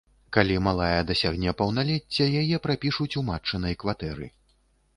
Калі малая дасягне паўналецця, яе прапішуць у матчынай кватэры.